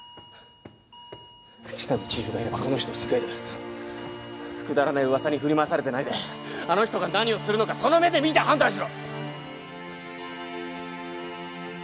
喜多見チーフがいればこの人を救えるくだらない噂に振り回されてないであの人が何をするのかその目で見て判断しろ！